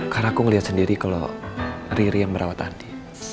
karena aku ngeliat sendiri kalo riri yang merawat andi